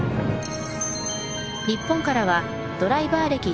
日本からはドライバー歴１９年。